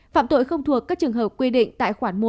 phạm tội không thuộc các trường hợp quy định tại khoản một